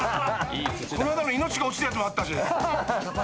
この間の落ちたやつもあったし。